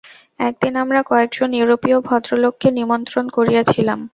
একদিন আমরা কয়েক জন ইউরোপীয় ভদ্রলোককে নিমন্ত্রণ করিয়াছিলাম।